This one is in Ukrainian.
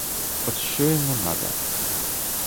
От що йому нада.